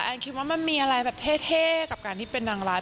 คิดว่ามันมีอะไรแบบเท่กับการที่เป็นนางร้าย